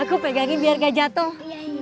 aku pegangin biar nggak jatoh